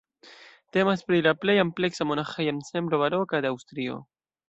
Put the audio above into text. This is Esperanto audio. Temas pri la plej ampleksa monaĥeja ensemblo baroka de Aŭstrio.